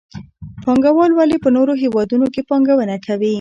پانګوال ولې په نورو هېوادونو کې پانګونه کوي؟